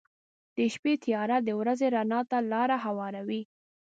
• د شپې تیاره د ورځې رڼا ته لاره هواروي.